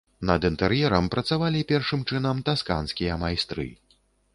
Над інтэр'ерам працавалі першым чынам тасканскія майстры.